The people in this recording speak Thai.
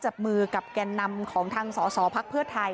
จับมือกับแกนนำของทางสอพักเพื่อไทย